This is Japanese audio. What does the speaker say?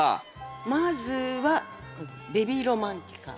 まずはベビー・ロマンティカ。